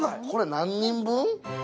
これ、何人分？